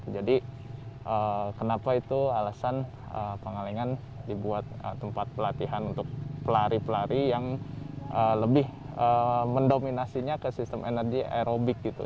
jadi kenapa itu alasan pangalengan dibuat tempat pelatihan untuk pelari pelari yang lebih mendominasinya ke sistem energi aerobik gitu